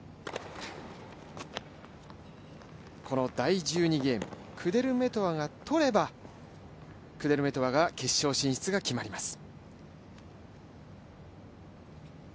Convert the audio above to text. この第１２ゲーム、クデルメトワが取れば、クデルメトワが決勝進出が決まります。